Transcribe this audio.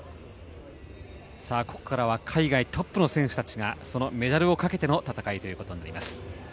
ここからは海外トップの選手たちがそのメダルをかけての戦いとなります。